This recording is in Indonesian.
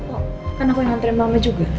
oh kan aku yang antarin mama juga